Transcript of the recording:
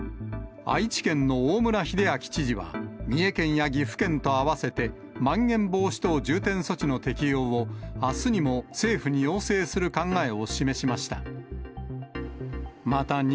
愛知県の大村秀章知事は、三重県や岐阜県と合わせて、まん延防止等重点措置の適用を、あすにも政府に要請する考えを示しました。